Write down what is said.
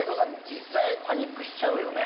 実際パニックしちゃうよね。